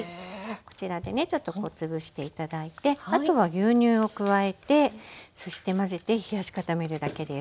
こちらでねちょっと潰して頂いてあとは牛乳を加えてそして混ぜて冷やし固めるだけです。